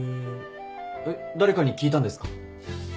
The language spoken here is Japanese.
えっ誰かに聞いたんですか？